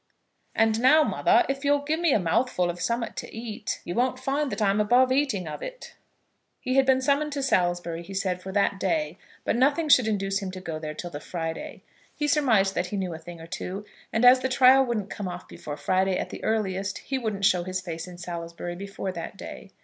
"And now, mother, if you'll give me a mouthful of some'at to eat, you won't find that I'm above eating of it." He had been summoned to Salisbury, he said, for that day, but nothing should induce him to go there till the Friday. He surmised that he knew a thing or two, and as the trial wouldn't come off before Friday at the earliest, he wouldn't show his face in Salisbury before that day.